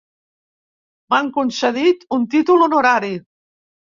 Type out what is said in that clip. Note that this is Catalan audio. M'han concedit un títol honorari.